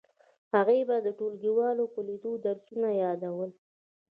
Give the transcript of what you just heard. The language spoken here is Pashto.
هغې به د ټولګیوالو په لیدو درسونه یادول